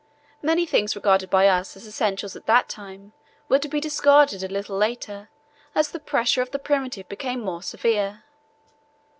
Many things regarded by us as essentials at that time were to be discarded a little later as the pressure of the primitive became more severe.